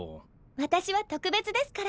私は特別ですから。